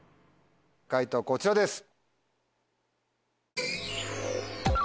解答こちらです。